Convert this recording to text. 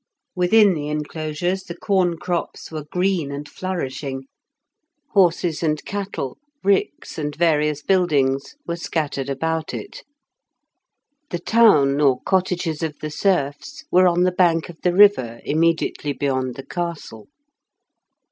Within the enclosures the corn crops were green and flourishing; horses and cattle, ricks and various buildings, were scattered about it. The town or cottages of the serfs were on the bank of the river immediately beyond the castle.